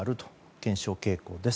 減少傾向です。